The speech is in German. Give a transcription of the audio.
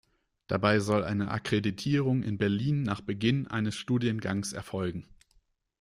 Dabei soll eine Akkreditierung in Berlin nach Beginn eines Studiengangs erfolgen.